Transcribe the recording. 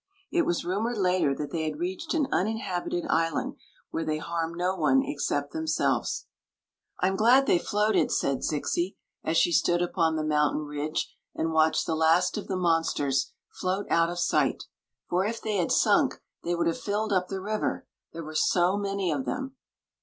It was ru mored later that they had reached an uninhabited island where they harm no one except themselves. " I *m glad they floated^ said Zixi, as she stood upon the mountain ridge and watched the last of the monsters float out of sight; "for if they had sunk they would have filled up the river, there were so many of them.